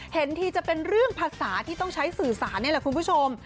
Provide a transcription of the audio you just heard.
เห็นทีจะเป็นเรื่องภาษาที่ต้องใช้สื่อสารนี่แหละคุณผู้ชม